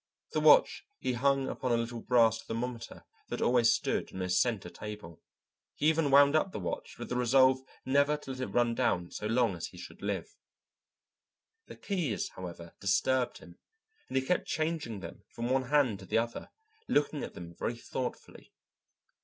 The watch he hung upon a little brass thermometer that always stood on his centre table. He even wound up the watch with the resolve never to let it run down so long as he should live. The keys, however, disturbed him, and he kept changing them from one hand to the other, looking at them very thoughtfully.